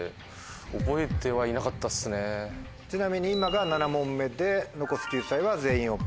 ちなみに今が７問目で残す救済は「全員オープン」。